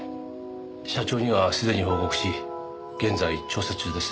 社長にはすでに報告し現在調査中です。